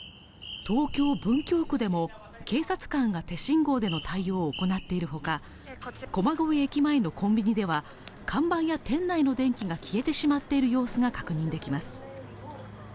東京・文京区でも、警察官が手信号での対応を行っているほか、駒込駅前のコンビニでは、看板や店内の電気が消えてしまっている様子が確認できます。